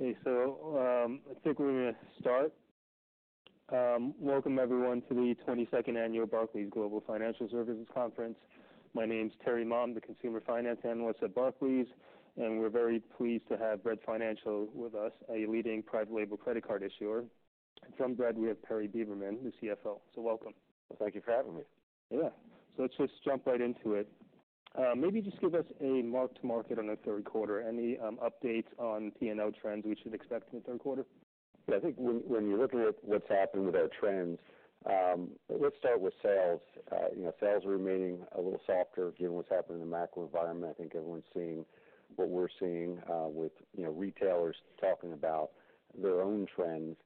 Okay, so, I think we're going to start. Welcome everyone, to the 22nd Annual Barclays Global Financial Services Conference. My name is Terry Ma, the Consumer Finance Analyst at Barclays, and we're very pleased to have Bread Financial with us, a leading private label credit card issuer. From Bread, we have Perry Beberman, the CFO. So welcome. Thank you for having me. Yeah. So let's just jump right into it. Maybe just give us a mark-to-market on the third quarter. Any updates on P&L trends we should expect in the third quarter? Yeah, I think when you're looking at what's happened with our trends, let's start with sales. Sales remaining a little softer, given what's happening in the macro environment. I think everyone's seeing what we're seeing, with, you know, retailers talking about their own trends.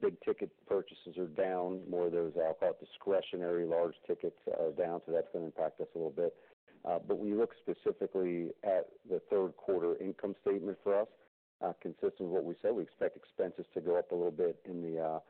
Big ticket purchases are down, more of those, I'll call it, discretionary large tickets are down, so that's going to impact us a little bit. But when you look specifically at the third quarter income statement for us, consistent with what we said, we expect expenses to go up a little bit in the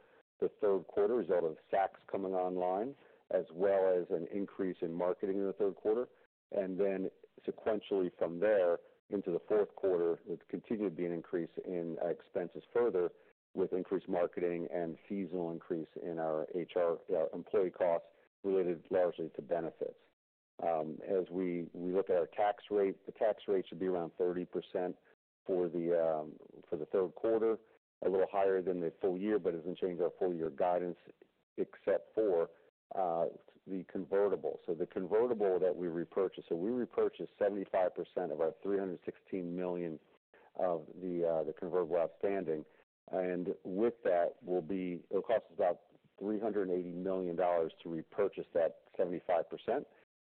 third quarter as a result of Saks coming online, as well as an increase in marketing in the third quarter. And then sequentially from there into the fourth quarter, there's continued to be an increase in expenses further with increased marketing and seasonal increase in our HR employee costs related largely to benefits. As we look at our tax rate, the tax rate should be around 30% for the third quarter, a little higher than the full year, but it doesn't change our full year guidance, except for the convertible. So the convertible that we repurchased, we repurchased 75% of our $316 million of the convertible outstanding. And with that will be. It'll cost us about $380 million to repurchase that 75%.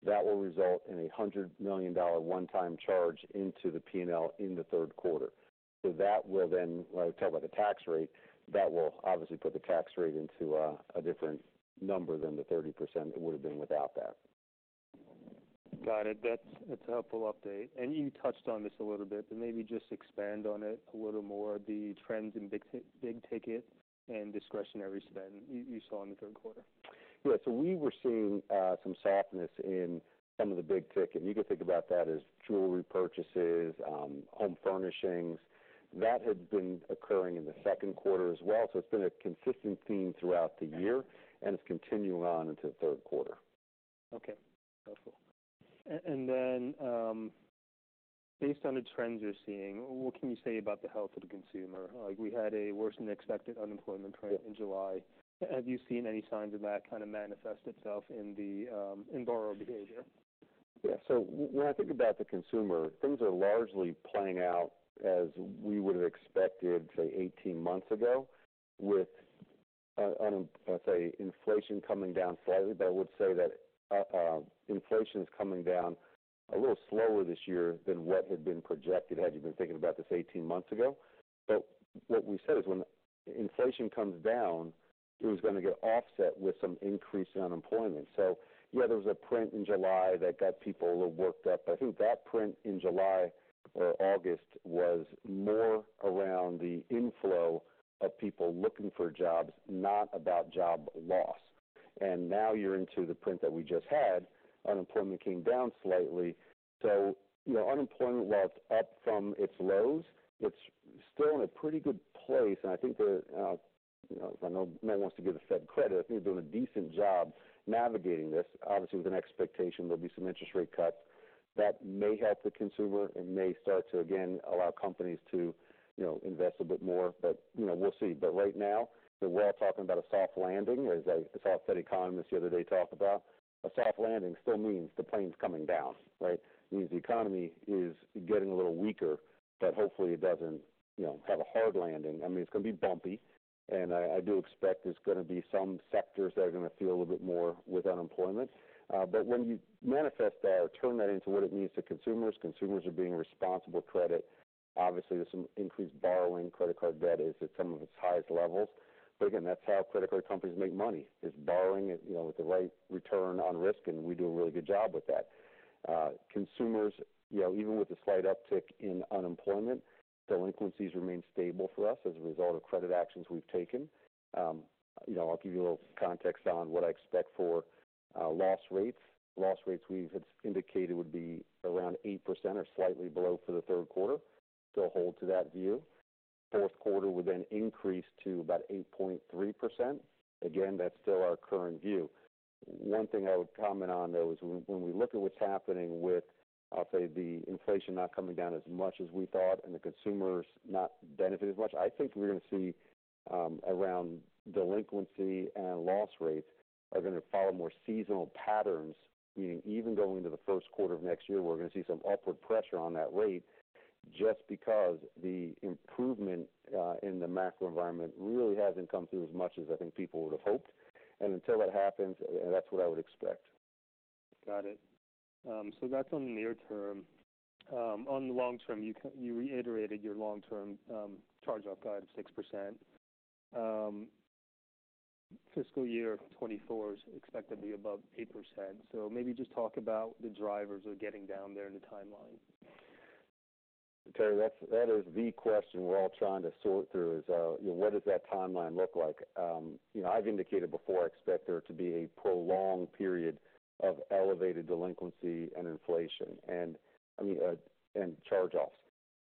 That will result in a $100 million one-time charge into the P&L in the third quarter. So that will then, when I talk about the tax rate, that will obviously put the tax rate into a different number than the 30% it would have been without that. Got it. That's a helpful update. And you touched on this a little bit, but maybe just expand on it a little more, the trends in big ticket and discretionary spend you saw in the third quarter. Yeah, so we were seeing some softness in some of the big ticket. You can think about that as jewelry purchases, home furnishings. That had been occurring in the second quarter as well, so it's been a consistent theme throughout the year, and it's continuing on into the third quarter. Okay, helpful. And then, based on the trends you're seeing, what can you say about the health of the consumer? Like, we had a worse than expected unemployment rate in July. Have you seen any signs of that kind of manifest itself in borrower behavior? Yeah, so when I think about the consumer, things are largely playing out as we would have expected, say, eighteen months ago, with, I'd say, inflation coming down slightly. But I would say that, inflation is coming down a little slower this year than what had been projected, had you been thinking about this eighteen months ago. But what we said is when inflation comes down, it was going to get offset with some increase in unemployment. So yeah, there was a print in July that got people a little worked up. I think that print in July or August was more around the inflow of people looking for jobs, not about job loss. And now you're into the print that we just had. Unemployment came down slightly. So, you know, unemployment, while it's up from its lows, it's still in a pretty good place. And I think, you know, I know no one wants to give the Fed credit. I think they're doing a decent job navigating this. Obviously, with an expectation, there'll be some interest rate cuts. That may help the consumer and may start to, again, allow companies to, you know, invest a bit more, but, you know, we'll see. But right now, we're all talking about a soft landing, as a soft Fed economist the other day talked about. A soft landing still means the plane's coming down, right? It means the economy is getting a little weaker, but hopefully it doesn't, you know, have a hard landing. I mean, it's going to be bumpy, and I do expect there's going to be some sectors that are going to feel a little bit more with unemployment. But when you manifest that or turn that into what it means to consumers, consumers are being responsible with credit. Obviously, there's some increased borrowing. Credit card debt is at some of its highest levels. But again, that's how credit card companies make money by borrowing it, you know, with the right return on risk, and we do a really good job with that. Consumers, you know, even with the slight uptick in unemployment, delinquencies remain stable for us as a result of credit actions we've taken. You know, I'll give you a little context on what I expect for loss rates. Loss rates we've indicated would be around 8% or slightly below for the third quarter. Still hold to that view. Fourth quarter will then increase to about 8.3%. Again, that's still our current view. One thing I would comment on, though, is when we look at what's happening with, I'll say, the inflation not coming down as much as we thought and the consumers not benefiting as much. I think we're going to see around delinquency and loss rates are going to follow more seasonal patterns. Meaning even going into the first quarter of next year, we're going to see some upward pressure on that rate just because the improvement in the macro environment really hasn't come through as much as I think people would have hoped, and until that happens, that's what I would expect. Got it. So that's on the near term. On the long term, you reiterated your long-term charge off guide of 6%. Fiscal year twenty-four is expected to be above 8%. So maybe just talk about the drivers of getting down there in the timeline. Terry, that's the question we're all trying to sort through, what does that timeline look like? You know, I've indicated before, I expect there to be a prolonged period of elevated delinquency and inflation, and I mean, and charge-offs.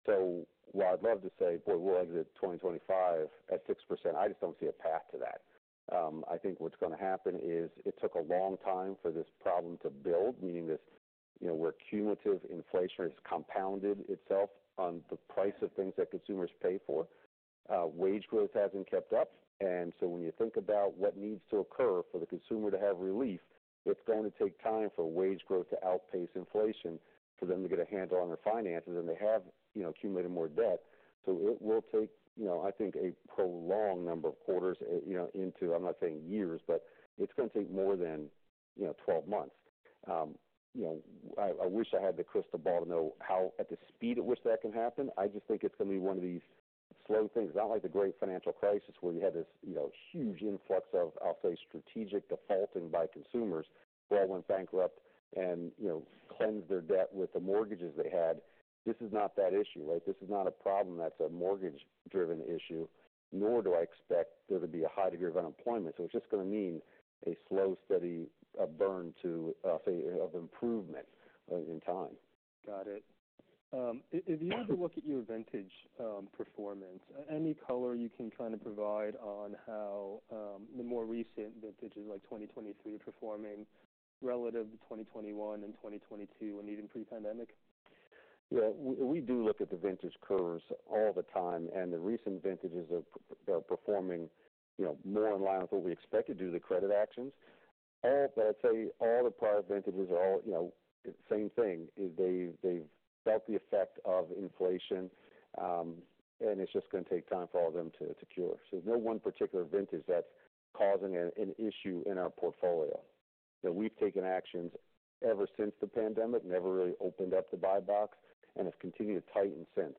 So while I'd love to say, boy, we'll exit 2025 at 6%, I just don't see a path to that. I think what's going to happen is, it took a long time for this problem to build, meaning this, you know, where cumulative inflation has compounded itself on the price of things that consumers pay for. Wage growth hasn't kept up, and so when you think about what needs to occur for the consumer to have relief, it's going to take time for wage growth to outpace inflation, for them to get a handle on their finances. And they have, you know, accumulated more debt, so it will take, you know, I think, a prolonged number of quarters, you know, into. I'm not saying years, but it's going to take more than, you know, 12 months. You know, I wish I had the crystal ball to know how, at the speed at which that can happen. I just think it's going to be one of these slow things. Not like the great financial crisis, where you had this, you know, huge influx of, I'll say, strategic defaulting by consumers. They all went bankrupt and, you know, cleansed their debt with the mortgages they had. This is not that issue, right? This is not a problem that's a mortgage-driven issue, nor do I expect there to be a high degree of unemployment. So it's just going to mean a slow, steady burn to, say, of improvement in time. Got it. If you were to look at your vintage performance, any color you can kind of provide on how the more recent vintages, like 2023, are performing relative to twenty twenty-one and 2022 and even pre-pandemic? Yeah, we do look at the vintage curves all the time, and the recent vintages are performing, you know, more in line with what we expected due to the credit actions. But I'd say all the prior vintages are, you know, the same thing. They've felt the effect of inflation, and it's just going to take time for all of them to cure. So no one particular vintage that's causing an issue in our portfolio. So we've taken actions ever since the pandemic, never really opened up the buy box, and have continued to tighten since.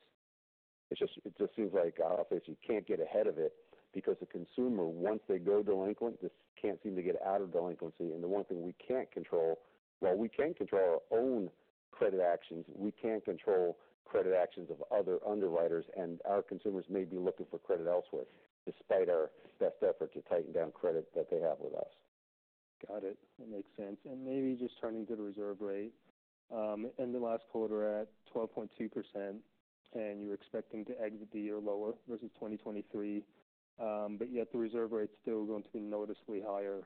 It just seems like, I'll say, you can't get ahead of it because the consumer, once they go delinquent, just can't seem to get out of delinquency, and the one thing we can't control, well, we can control our own credit actions. We can't control credit actions of other underwriters, and our consumers may be looking for credit elsewhere, despite our best effort to tighten down credit that they have with us. Got it. That makes sense. And maybe just turning to the reserve rate, ended last quarter at 12.2%, and you're expecting to exit the year lower versus 2023. But yet the reserve rate is still going to be noticeably higher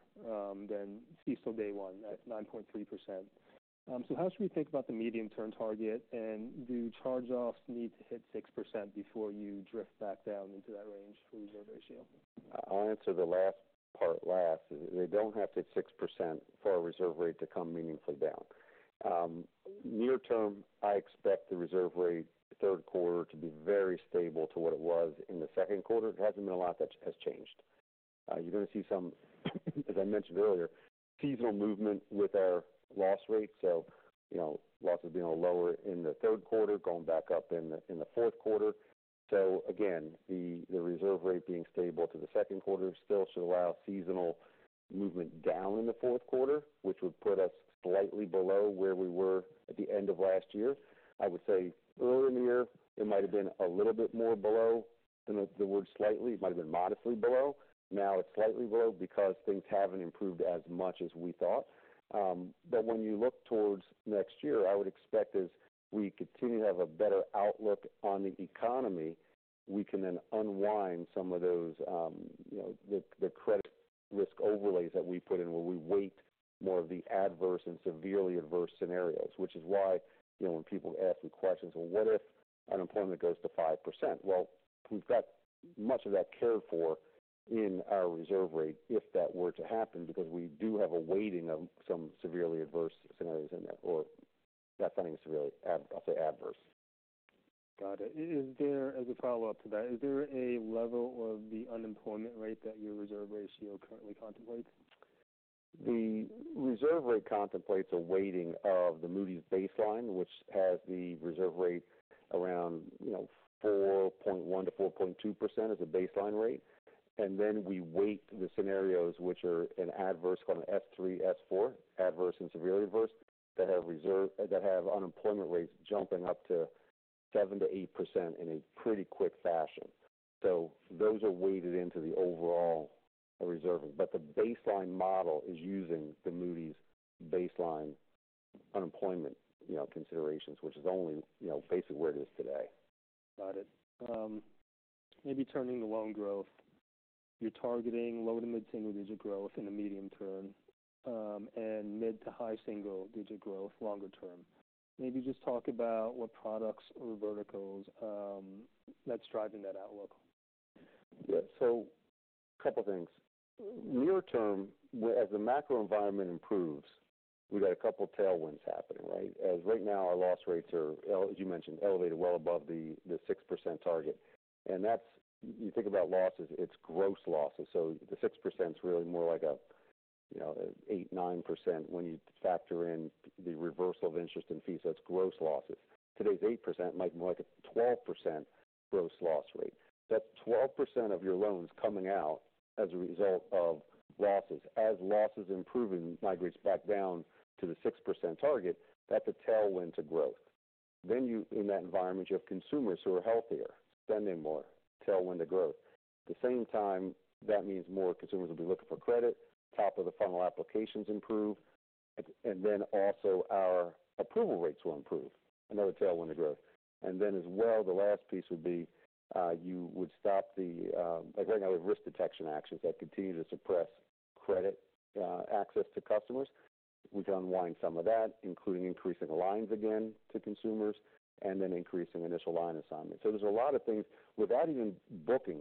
than CECL Day One at 9.3%. So how should we think about the medium-term target, and do charge-offs need to hit 6% before you drift back down into that range for reserve ratio? I'll answer the last part last. They don't have to hit 6% for our reserve rate to come meaningfully down. Near term, I expect the reserve rate third quarter to be very stable to what it was in the second quarter. It hasn't been a lot that has changed. You're going to see some, as I mentioned earlier, seasonal movement with our loss rate. So, you know, losses being lower in the third quarter, going back up in the fourth quarter. So again, the reserve rate being stable to the second quarter still should allow seasonal movement down in the fourth quarter, which would put us slightly below where we were at the end of last year. I would say earlier in the year, it might have been a little bit more below than the word slightly. It might have been modestly below. Now it's slightly below because things haven't improved as much as we thought. But when you look towards next year, I would expect as we continue to have a better outlook on the economy, we can then unwind some of those, you know, the credit risk overlays that we put in, where we weight more of the adverse and severely adverse scenarios. Which is why, you know, when people ask me questions, "Well, what if unemployment goes to 5%?" We've got much of that cared for in our reserve rate if that were to happen, because we do have a weighting of some severely adverse scenarios in there, or not saying severely, I'll say adverse. Got it. As a follow-up to that, is there a level of the unemployment rate that your reserve rate currently contemplates? The reserve rate contemplates a weighting of the Moody's baseline, which has the reserve rate around, you know, 4.1%-4.2% as a baseline rate. And then we weight the scenarios, which are an adverse, called an S3, S4, adverse and severely adverse, that have reserve-- that have unemployment rates jumping up to 7%-8% in a pretty quick fashion. So those are weighted into the overall reserve. But the baseline model is using the Moody's baseline unemployment, you know, considerations, which is only, you know, basically where it is today. Got it. Maybe turning to loan growth. You're targeting low- to mid-single-digit growth in the medium term, and mid- to high single-digit growth longer term. Maybe just talk about what products or verticals that's driving that outlook. Yeah. So a couple things. Near term, as the macro environment improves, we got a couple tailwinds happening, right? Right now, our loss rates are, as you mentioned, elevated well above the 6% target. And that's... You think about losses, it's gross losses. So the 6% is really more like a, you know, 8-9% when you factor in the reversal of interest and fees, that's gross losses. Today's 8% might be more like a 12% gross loss rate. That's 12% of your loans coming out as a result of losses. As losses improving, migrates back down to the 6% target, that's a tailwind to growth. Then you, in that environment, you have consumers who are healthier, spending more, tailwind to growth. At the same time, that means more consumers will be looking for credit. Top of the funnel applications improve. And then also our approval rates will improve. Another tailwind of growth. And then as well, the last piece would be you would stop the right now risk detection actions that continue to suppress credit access to customers. We can unwind some of that, including increasing the lines again to consumers and then increasing initial line assignments. So there's a lot of things without even booking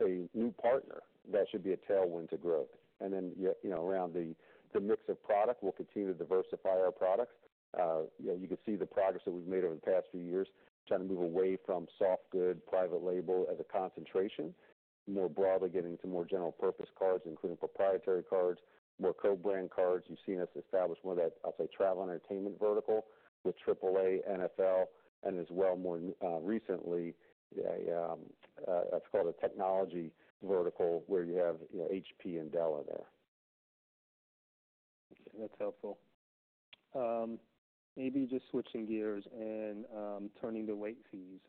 a new partner, that should be a tailwind to growth. And then we'll, you know, around the mix of product, we'll continue to diversify our products. You know, you can see the progress that we've made over the past few years, trying to move away from soft goods private label as a concentration. More broadly, getting to more general purpose cards, including proprietary cards, more co-brand cards. You've seen us establish more of that, I'll say, travel and entertainment vertical with AAA, NFL, and as well, more recently, it's called a technology vertical, where you have, you know, HP and Dell in there. Okay, that's helpful. Maybe just switching gears and turning to late fees.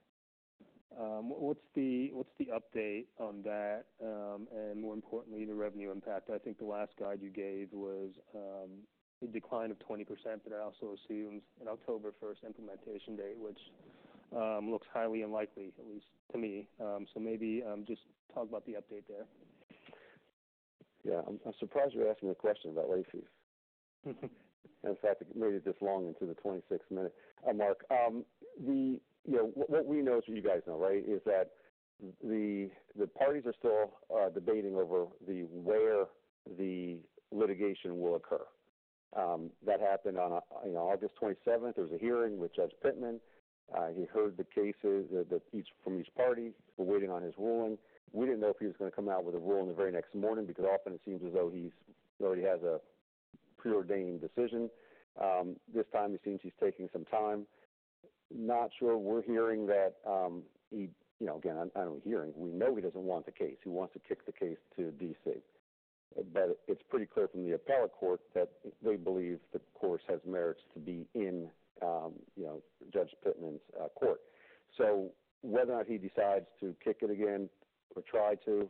What's the update on that, and more importantly, the revenue impact? I think the last guide you gave was a decline of 20%, but I also assumed an October first implementation date, which looks highly unlikely, at least to me. So maybe just talk about the update there. Yeah. I'm surprised you're asking a question about late fees. In fact, maybe this long into the twenty-sixth minute. Mark, you know, what we know is what you guys know, right? That the parties are still debating over where the litigation will occur. That happened on, you know, August twenty-seventh. There was a hearing with Judge Pittman. He heard the case from each party. We're waiting on his ruling. We didn't know if he was going to come out with a ruling the very next morning, because often it seems as though he already has a preordained decision. This time, it seems he's taking some time. Not sure. We're hearing that, you know, again, I don't know. We know he doesn't want the case. He wants to kick the case to DC. But it's pretty clear from the appellate court that they believe the course has merits to be in, you know, Judge Pittman's court. So whether or not he decides to kick it again or try to,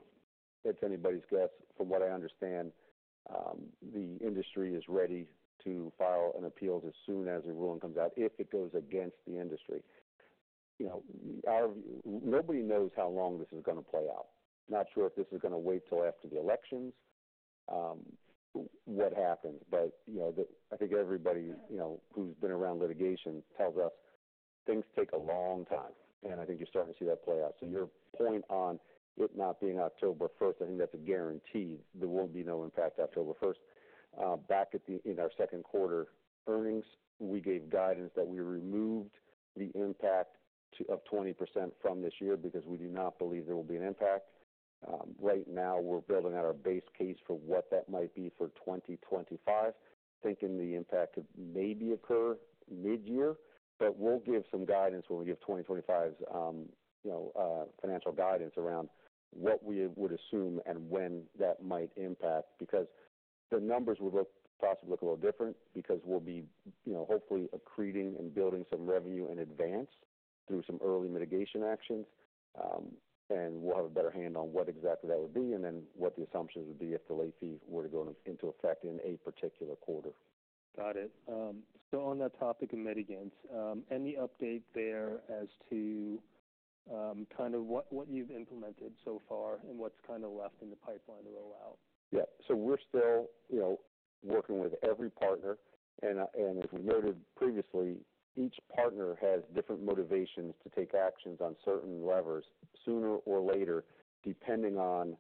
it's anybody's guess. From what I understand, the industry is ready to file an appeal as soon as a ruling comes out, if it goes against the industry. You know, nobody knows how long this is going to play out. Not sure if this is going to wait till after the elections, what happens, but, you know, I think everybody, you know, who's been around litigation tells us things take a long time, and I think you're starting to see that play out. So your point on it not being October first, I think that's a guarantee. There will be no impact October first. Back in our second quarter earnings, we gave guidance that we removed the impact of 20% from this year because we do not believe there will be an impact. Right now we're building out our base case for what that might be for 2025. Thinking the impact could maybe occur mid-year, but we'll give some guidance when we give 2025's, you know, financial guidance around what we would assume and when that might impact. Because the numbers would possibly look a little different because we'll be, you know, hopefully accreting and building some revenue in advance through some early mitigation actions. And we'll have a better hand on what exactly that would be, and then what the assumptions would be if the late fees were to go into effect in a particular quarter. Got it. So on that topic of mitigants, any update there as to kind of what you've implemented so far and what's kind of left in the pipeline to roll out? Yeah. So we're still, you know, working with every partner, and as we noted previously, each partner has different motivations to take actions on certain levers sooner or later, depending on,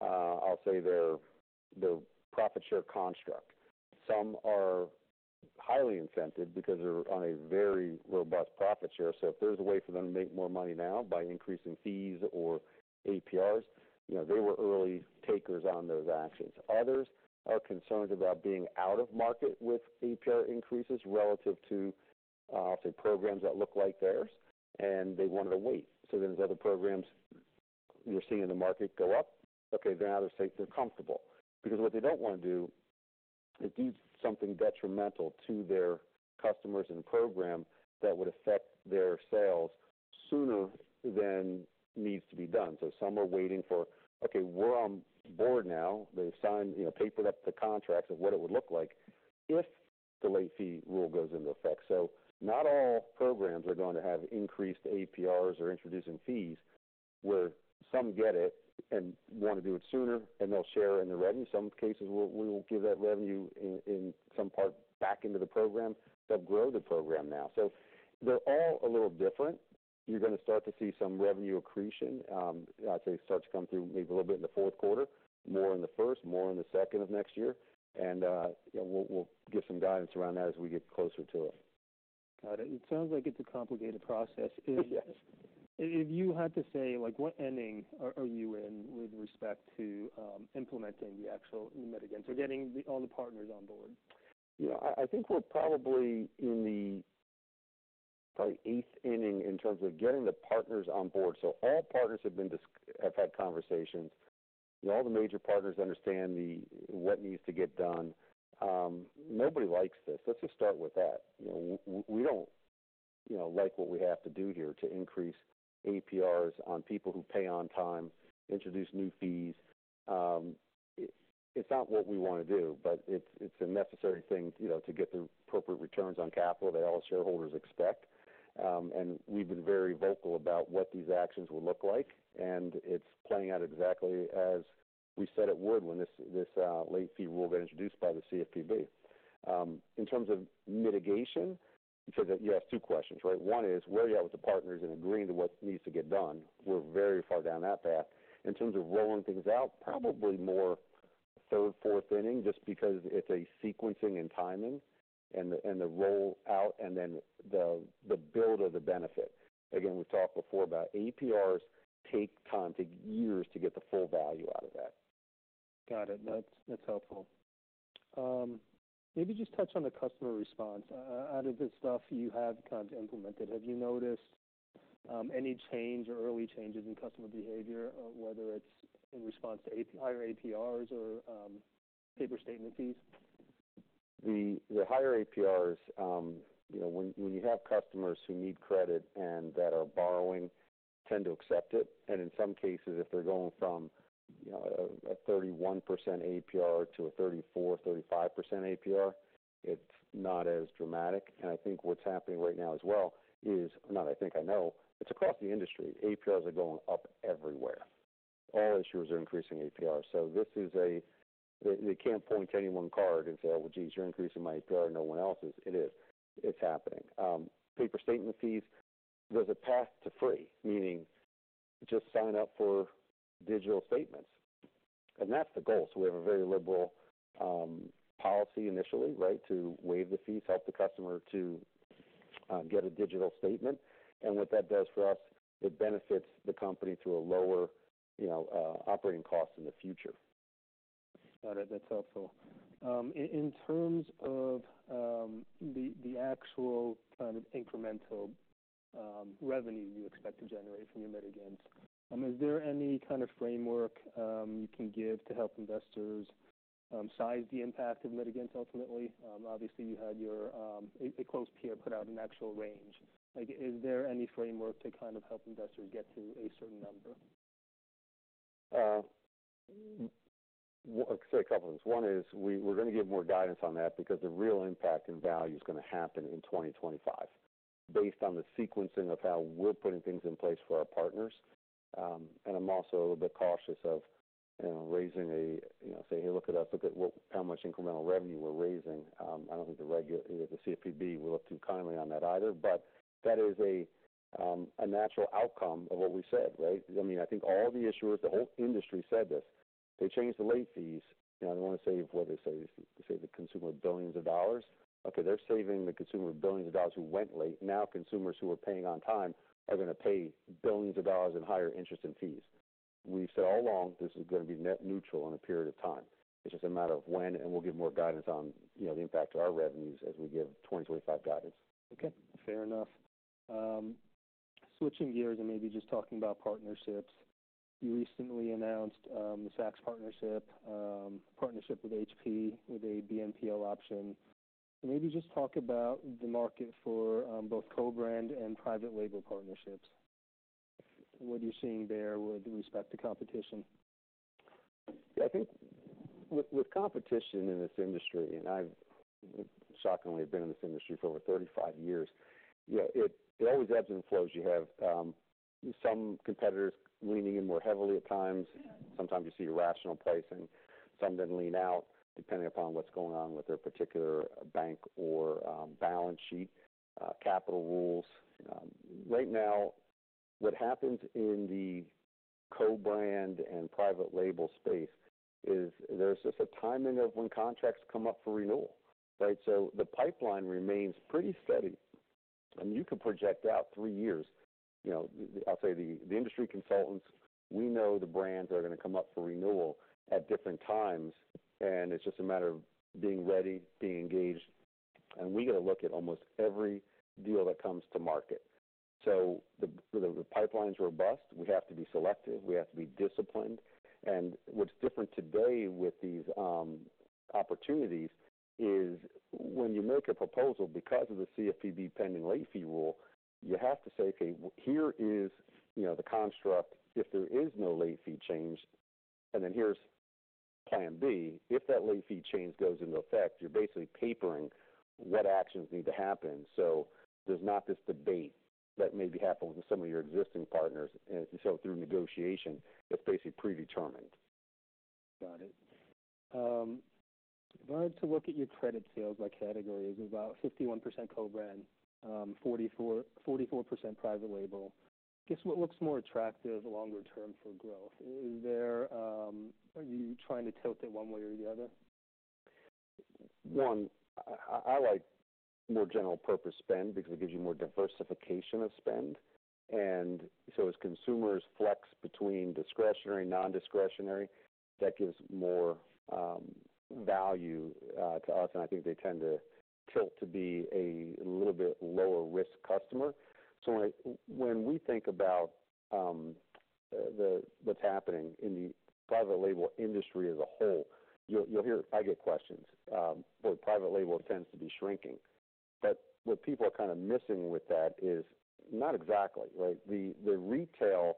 I'll say, their profit share construct. Some are highly incented because they're on a very robust profit share. So if there's a way for them to make more money now by increasing fees or APRs, you know, they were early takers on those actions. Others are concerned about being out of market with APR increases relative to, say, programs that look like theirs, and they wanted to wait. So those other programs we're seeing in the market go up, okay, they're now safe, they're comfortable. Because what they don't want to do is do something detrimental to their customers and program that would affect their sales sooner than needs to be done. So some are waiting for, okay, we're on board now. They've signed, you know, papered up the contracts of what it would look like if the late fee rule goes into effect. So not all programs are going to have increased APRs or introducing fees, where some get it and want to do it sooner, and they'll share in the revenue. Some cases, we will give that revenue in some part back into the program, to grow the program now. So they're all a little different. You're going to start to see some revenue accretion, I'd say, start to come through maybe a little bit in the fourth quarter, more in the first, more in the second of next year. And, we'll give some guidance around that as we get closer to it. Got it. It sounds like it's a complicated process. Yes. If you had to say, like, what inning are you in with respect to implementing the actual mitigant or getting all the partners on board? Yeah. I think we're probably in the eighth inning in terms of getting the partners on board. So all partners have had conversations. All the major partners understand what needs to get done. Nobody likes this. Let's just start with that. You know, we don't like what we have to do here to increase APRs on people who pay on time, introduce new fees. It's not what we want to do, but it's a necessary thing, you know, to get the appropriate returns on capital that all shareholders expect. And we've been very vocal about what these actions will look like, and it's playing out exactly as we said it would when this late fee rule got introduced by the CFPB. In terms of mitigation, so that you asked two questions, right? One is, where are you at with the partners in agreeing to what needs to get done? We're very far down that path. In terms of rolling things out, probably more third, fourth inning, just because it's a sequencing and timing and the roll out and then the build of the benefit. Again, we've talked before about APRs take time, take years to get the full value out of that. Got it. That's helpful. Maybe just touch on the customer response. Out of this stuff you have kind of implemented, have you noticed any change or early changes in customer behavior, whether it's in response to higher APRs or paper statement fees? The higher APRs, you know, when you have customers who need credit and that are borrowing, tend to accept it, and in some cases, if they're going from, you know, a 31% APR to a 34%-35% APR, it's not as dramatic. And I think what's happening right now as well is, not I think I know, it's across the industry, APRs are going up everywhere. All issuers are increasing APRs, so this is a they can't point to any one card and say, "Well, geez, you're increasing my APR, and no one else's." It is. It's happening. Paper statement fees, there's a path to free, meaning just sign up for digital statements, and that's the goal. So we have a very liberal policy initially, right, to waive the fees, help the customer to get a digital statement. What that does for us, it benefits the company through a lower, you know, operating cost in the future. Got it. That's helpful. In terms of the actual kind of incremental revenue you expect to generate from your mitigants, is there any kind of framework you can give to help investors size the impact of mitigants ultimately? Obviously, you had a close peer put out an actual range. Like, is there any framework to kind of help investors get to a certain number? I'd say a couple of things. One is we're going to give more guidance on that because the real impact and value is going to happen in 2025, based on the sequencing of how we're putting things in place for our partners. And I'm also a little bit cautious of, you know, raising a, you know, saying, "Hey, look at us, look at what how much incremental revenue we're raising." I don't think the regulator, you know, the CFPB will look too kindly on that either, but that is a natural outcome of what we said, right? I mean, I think all the issuers, the whole industry said this. They changed the late fees, and they want to save, what they say, they save the consumer billions of dollars. Okay, they're saving the consumer billions of dollars who went late. Now, consumers who are paying on time are going to pay billions of dollars in higher interest and fees. We've said all along, this is going to be net neutral in a period of time. It's just a matter of when, and we'll give more guidance on, you know, the impact to our revenues as we give 2025 guidance. Okay, fair enough. Switching gears and maybe just talking about partnerships. You recently announced the Saks partnership, partnership with HP with a BNPL option. Maybe just talk about the market for both co-brand and private label partnerships. What are you seeing there with respect to competition? I think with competition in this industry, and I've shockingly been in this industry for over thirty-five years, yeah, it always ebbs and flows. You have some competitors leaning in more heavily at times. Sometimes you see irrational pricing. Some then lean out, depending upon what's going on with their particular bank or balance sheet, capital rules. Right now, what happens in the co-brand and private label space is there's just a timing of when contracts come up for renewal, right? So the pipeline remains pretty steady, and you can project out three years. You know, I'll say the industry consultants, we know the brands that are going to come up for renewal at different times, and it's just a matter of being ready, being engaged, and we get a look at almost every deal that comes to market. So the pipeline's robust. We have to be selective. We have to be disciplined. And what's different today with these opportunities is when you make a proposal because of the CFPB pending late fee rule, you have to say, "Okay, well, here is, you know, the construct if there is no late fee change, and then here's plan B." If that late fee change goes into effect, you're basically papering what actions need to happen. So there's not this debate that may be happening with some of your existing partners, and so through negotiation, it's basically predetermined. Got it. If I were to look at your credit sales by categories, about 51% co-brand, 44% private label, guess what looks more attractive longer term for growth? Is there... Are you trying to tilt it one way or the other? I like more general purpose spend because it gives you more diversification of spend. And so as consumers flex between discretionary, non-discretionary, that gives more value to us, and I think they tend to tilt to be a little bit lower-risk customer. So when we think about what's happening in the private label industry as a whole, you'll hear I get questions where private label tends to be shrinking. But what people are kind of missing with that is not exactly, right? The retail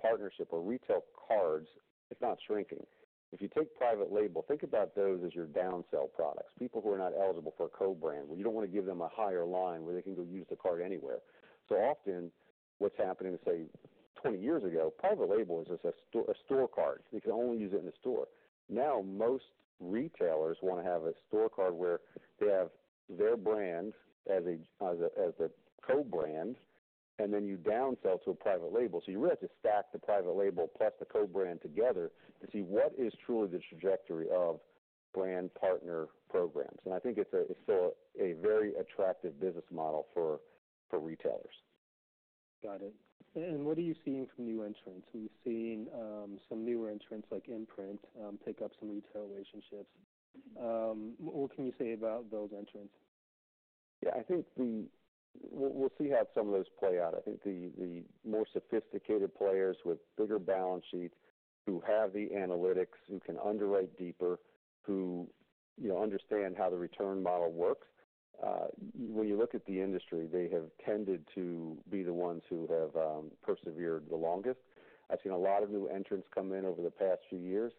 partnership or retail cards, it's not shrinking. If you take private label, think about those as your down-sell products. People who are not eligible for a co-brand, where you don't want to give them a higher line where they can go use the card anywhere. So often, what's happening is, say, twenty years ago, private label is just a store card. You can only use it in the store. Now, most retailers want to have a store card where they have their brand as a co-brand, and then you downsell to a private label. So you really have to stack the private label plus the co-brand together to see what is truly the trajectory of brand partner programs. And I think it's still a very attractive business model for retailers. Got it. And what are you seeing from new entrants? We've seen some newer entrants, like Imprint, pick up some retail relationships. What can you say about those entrants? Yeah, I think. We'll see how some of those play out. I think the more sophisticated players with bigger balance sheets, who have the analytics, who can underwrite deeper, who, you know, understand how the return model works, when you look at the industry, they have tended to be the ones who have persevered the longest. I've seen a lot of new entrants come in over the past few years,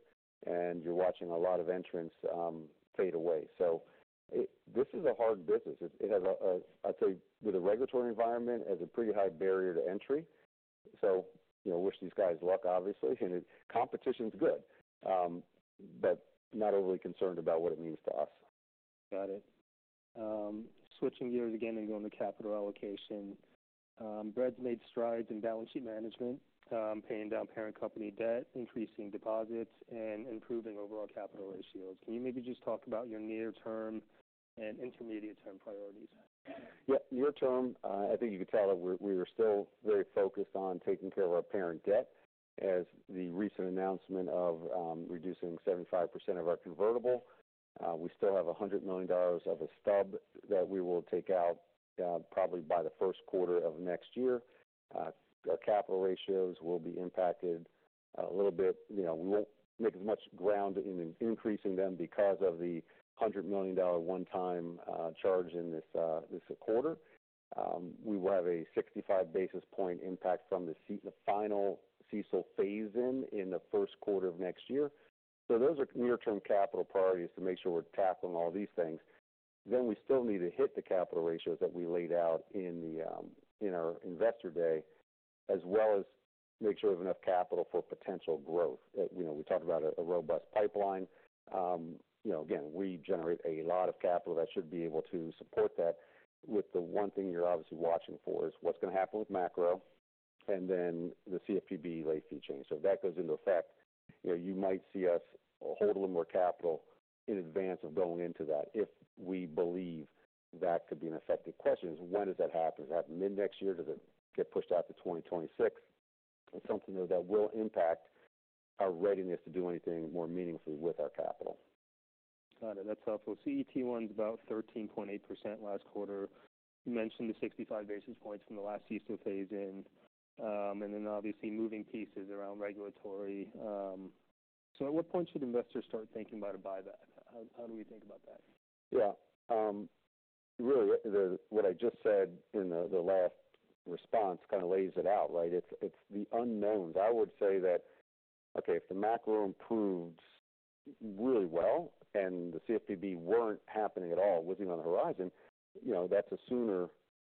and you're watching a lot of entrants fade away. So, this is a hard business. It has a, I'd say, with a regulatory environment, a pretty high barrier to entry. So, you know, wish these guys luck, obviously, and competition's good, but not overly concerned about what it means to us. Got it. Switching gears again and going to capital allocation. Bread's made strides in balance sheet management, paying down parent company debt, increasing deposits, and improving overall capital ratios. Can you maybe just talk about your near-term and intermediate-term priorities? Yeah. Near term, I think you could tell that we are still very focused on taking care of our parent debt. As the recent announcement of reducing 75% of our convertible, we still have $100 million of a stub that we will take out, probably by the first quarter of next year. Our capital ratios will be impacted a little bit. You know, we won't make as much ground in increasing them because of the $100 million one-time charge in this quarter. We will have a 65 basis point impact from the final CECL phase-in in the first quarter of next year. So those are near-term capital priorities to make sure we're tackling all these things. Then we still need to hit the capital ratios that we laid out in our investor day, as well as make sure we have enough capital for potential growth. You know, we talked about a robust pipeline. You know, again, we generate a lot of capital that should be able to support that. The one thing you're obviously watching for is what's going to happen with macro and then the CFPB late fee change. So if that goes into effect, you know, you might see us hold a little more capital in advance of going into that, if we believe that could be an effective question: is when does that happen? Does it happen mid-next year? Does it get pushed out to 2026? It's something, though, that will impact our readiness to do anything more meaningfully with our capital. Got it. That's helpful. CET1's about 13.8% last quarter. You mentioned the 65 basis points from the last CECL phase-in, and then obviously moving pieces around regulatory. So at what point should investors start thinking about a buyback? How do we think about that? Yeah. Really, the what I just said in the, the last response kind of lays it out, right? It's, it's the unknowns. I would say that, okay, if the macro improves really well and the CFPB weren't happening at all, wasn't even on the horizon, you know, that's a sooner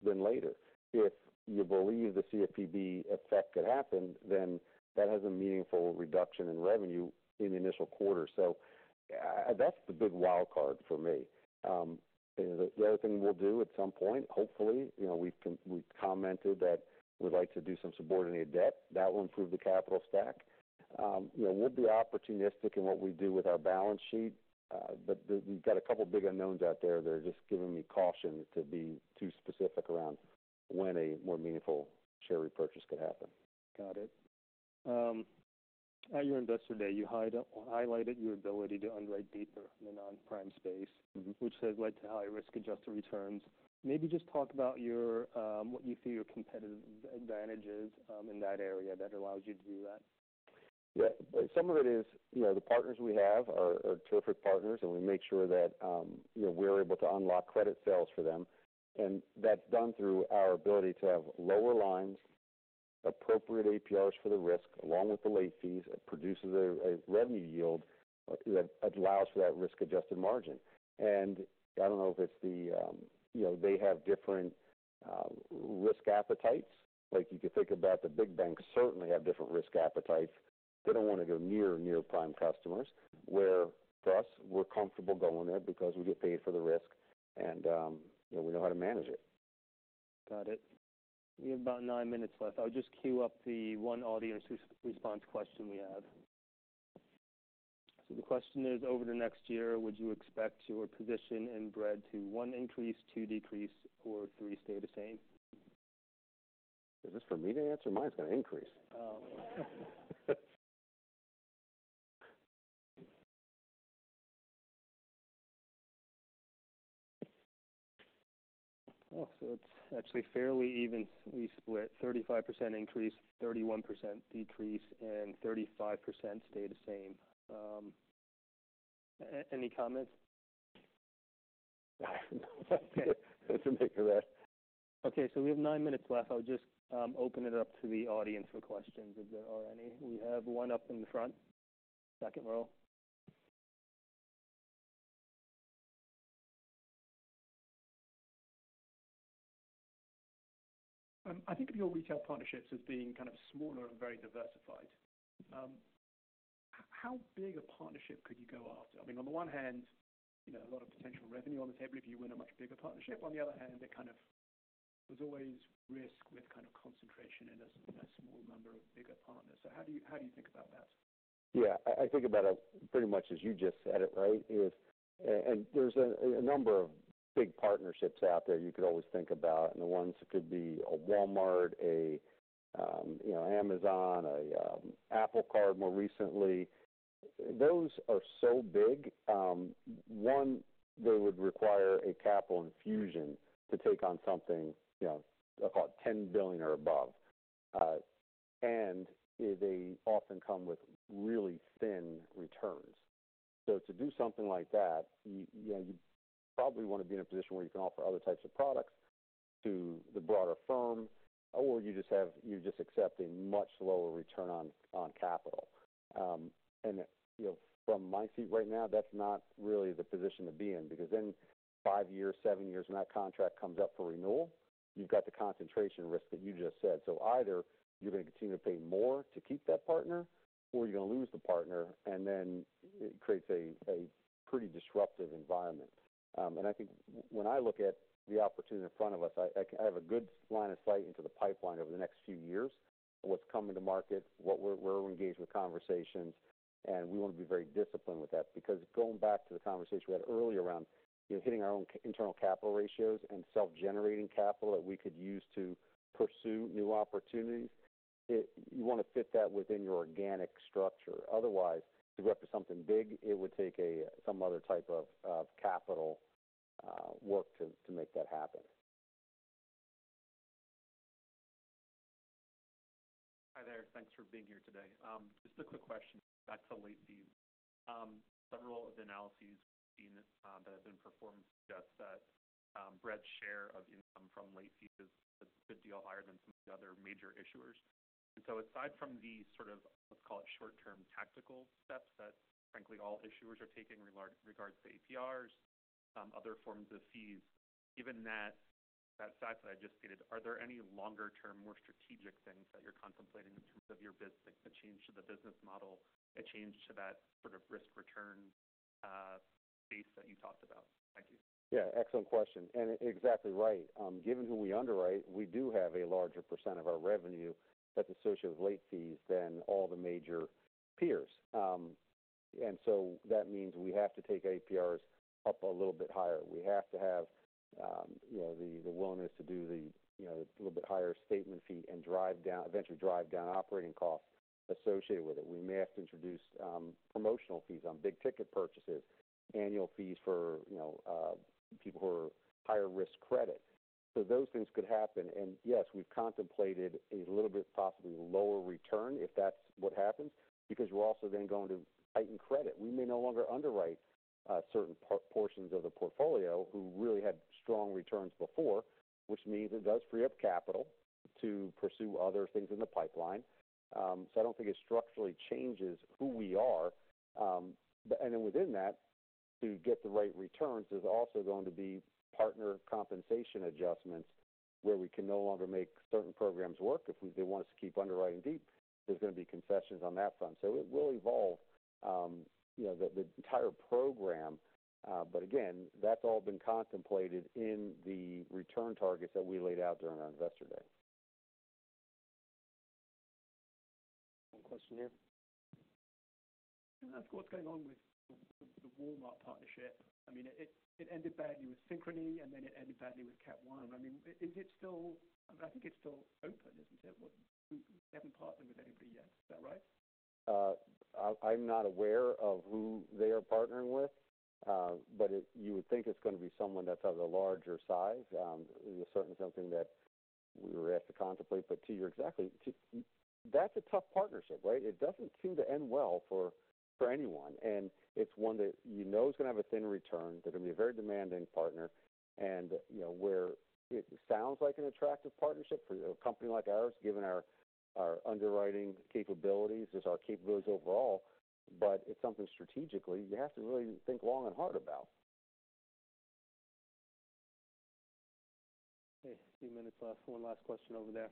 than later. If you believe the CFPB effect could happen, then that has a meaningful reduction in revenue in the initial quarter. So, that's the big wild card for me. The other thing we'll do at some point, hopefully, you know, we've commented that we'd like to do some subordinated debt. That will improve the capital stack. You know, we'll be opportunistic in what we do with our balance sheet, but we've got a couple big unknowns out there that are just giving me caution to be too specific around when a more meaningful share repurchase could happen. Got it. At your investor day, you highlighted your ability to underwrite deeper in the non-prime space- Mm-hmm. Which has led to higher risk-adjusted returns. Maybe just talk about your, what you see your competitive advantages, in that area that allows you to do that. Yeah. Some of it is, you know, the partners we have are terrific partners, and we make sure that, you know, we're able to unlock credit sales for them. And that's done through our ability to have lower lines, appropriate APRs for the risk, along with the late fees. It produces a revenue yield that allows for that risk-adjusted margin. And I don't know if it's, you know, they have different risk appetites. Like, you could think about the big banks certainly have different risk appetites. They don't want to go near near-prime customers, where us, we're comfortable going there because we get paid for the risk and, you know, we know how to manage it. Got it. We have about nine minutes left. I'll just queue up the one audience response question we have. So the question is: Over the next year, would you expect your position in Bread to, one, increase, two, decrease, or three, stay the same? Is this for me to answer? Mine's going to increase.... Oh, so it's actually fairly evenly split. 35% increase, 31% decrease, and 35% stay the same. Any comments? Okay. That's a big ask. Okay, so we have nine minutes left. I'll just open it up to the audience for questions if there are any. We have one up in the front, second row. I think of your retail partnerships as being kind of smaller and very diversified. How big a partnership could you go after? I mean, on the one hand, you know, a lot of potential revenue on the table if you win a much bigger partnership. On the other hand, it kind of. There's always risk with kind of concentration in a small number of bigger partners. So how do you think about that? Yeah, I think about it pretty much as you just said it, right? If and there's a number of big partnerships out there you could always think about, and the ones that could be a Walmart, you know, Amazon, Apple Card more recently. Those are so big, one, they would require a capital infusion to take on something, you know, about 10 billion or above. And they often come with really thin returns. So to do something like that, you know, you probably want to be in a position where you can offer other types of products to the broader firm, or you just have-- you're just accepting much lower return on capital. You know, from my seat right now, that's not really the position to be in, because then five years, seven years, when that contract comes up for renewal, you've got the concentration risk that you just said, so either you're going to continue to pay more to keep that partner, or you're going to lose the partner, and then it creates a pretty disruptive environment, and I think when I look at the opportunity in front of us, I have a good line of sight into the pipeline over the next few years: what's coming to market, where we're engaged with conversations, and we want to be very disciplined with that. Because going back to the conversation we had earlier around, you know, hitting our own internal capital ratios and self-generating capital that we could use to pursue new opportunities, it, you want to fit that within your organic structure. Otherwise, to go after something big, it would take some other type of capital work to make that happen. Hi there. Thanks for being here today. Just a quick question back to late fees. Several of the analyses we've seen that have been performed suggest that Bread's share of income from late fees is a good deal higher than some of the other major issuers, and so aside from the sort of, let's call it short-term tactical steps that frankly, all issuers are taking regarding APRs, other forms of fees, given that fact that I just stated, are there any longer-term, more strategic things that you're contemplating in terms of your business – a change to the business model, a change to that sort of risk-return base that you talked about? Thank you. Yeah, excellent question, and exactly right. Given who we underwrite, we do have a larger % of our revenue that's associated with late fees than all the major peers. And so that means we have to take APRs up a little bit higher. We have to have, you know, the willingness to do the, you know, little bit higher statement fee and eventually drive down operating costs associated with it. We may have to introduce promotional fees on big-ticket purchases, annual fees for, you know, people who are higher-risk credit. So those things could happen. And yes, we've contemplated a little bit, possibly lower return, if that's what happens, because we're also then going to tighten credit. We may no longer underwrite certain portions of the portfolio who really had strong returns before, which means it does free up capital to pursue other things in the pipeline. So I don't think it structurally changes who we are. But then within that, to get the right returns, there's also going to be partner compensation adjustments, where we can no longer make certain programs work. If they want us to keep underwriting deep, there's going to be concessions on that front. So it will evolve, you know, the entire program, but again, that's all been contemplated in the return targets that we laid out during our Investor Day. One question here. I'm curious what's going on with the Walmart partnership. I mean, it ended badly with Synchrony, and then it ended badly with Cap One. I mean, is it still... I think it's still open, isn't it? What, we haven't partnered with anybody yet. Is that right? I'm not aware of who they are partnering with, but you would think it's going to be someone that's of a larger size. It's certainly something that we were asked to contemplate. But to your point, exactly. That's a tough partnership, right? It doesn't seem to end well for anyone, and it's one that you know is going to have a thin return, that will be a very demanding partner, and you know, where it sounds like an attractive partnership for a company like ours, given our underwriting capabilities, just our capabilities overall, but it's something strategically you have to really think long and hard about. Okay, a few minutes left. One last question over there.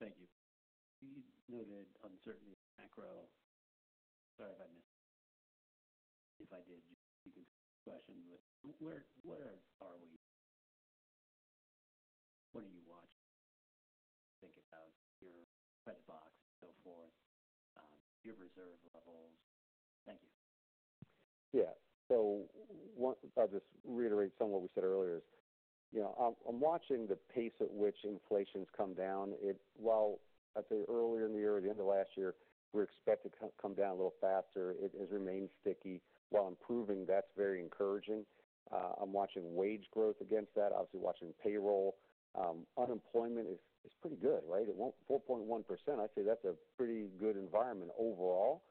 Thank you. You noted uncertainty in macro. Sorry if I missed... If I did, you can question with where, where are we? What are you watching, thinking about your buy box and so forth, your reserve levels? Thank you. Yeah. So I'll just reiterate some of what we said earlier. You know, I'm watching the pace at which inflation's come down. Well, I'd say earlier in the year or the end of last year, we expect it to come down a little faster. It has remained sticky. While improving, that's very encouraging. I'm watching wage growth against that, obviously watching payroll. Unemployment is pretty good, right? It's 4.1%, I'd say that's a pretty good environment overall.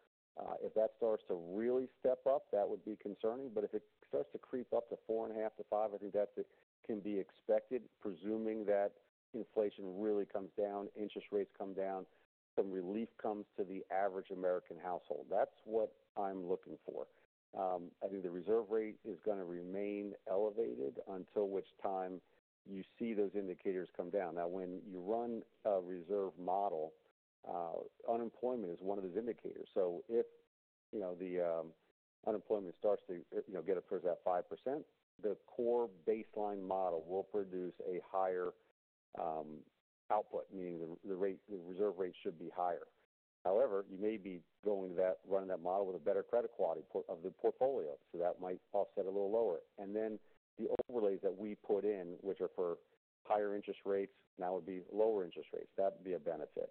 If that starts to really step up, that would be concerning. But if it starts to creep up to 4.5%-5%, I think that can be expected, presuming that inflation really comes down, interest rates come down, some relief comes to the average American household. That's what I'm looking for. I think the reserve rate is gonna remain elevated until which time you see those indicators come down. Now, when you run a reserve model, unemployment is one of those indicators. So if, you know, the unemployment starts to, you know, get up towards that 5%, the core baseline model will produce a higher output, meaning the rate, the reserve rate should be higher. However, you may be going to that, running that model with a better credit quality pool of the portfolio, so that might offset a little lower. And then the overlays that we put in, which are for higher interest rates, now would be lower interest rates. That would be a benefit.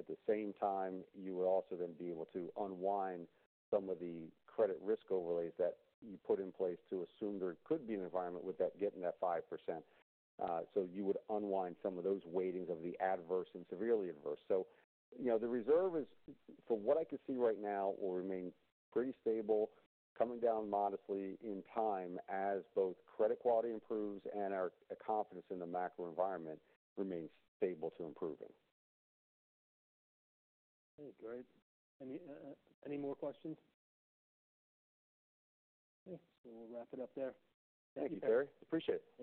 At the same time, you would also then be able to unwind some of the credit risk overlays that you put in place to assume there could be an environment with that getting that 5%. So you would unwind some of those weightings of the adverse and severely adverse, so, you know, the reserve is, from what I can see right now, will remain pretty stable, coming down modestly in time as both credit quality improves and our confidence in the macro environment remains stable to improving. Okay, great. Any more questions? Okay, so we'll wrap it up there. Thank you, Terry. Appreciate it.